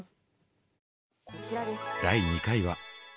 第２回は。